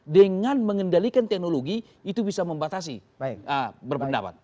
dengan mengendalikan teknologi itu bisa membatasi berpendapat